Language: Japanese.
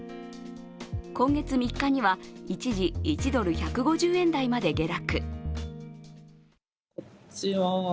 今月３日には一時１ドル＝１５０円台まで下落。